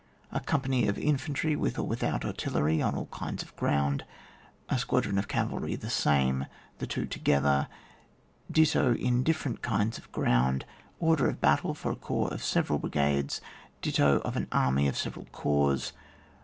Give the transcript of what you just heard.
A company of infantry with or without artilleiy on all kinds of ground. A squadron of cavalry the same. The two together. Ditto in different kinds of ground. Order of battle for a corps of several brigades. Ditto of an army of several corps.